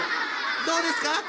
どうですか？